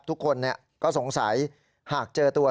ทุกคนก็สงสัยหากเจอตัว